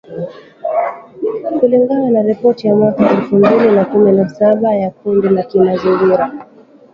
kulingana na ripoti ya mwaka elfu mbili na kumi na saba ya kundi la kimazingira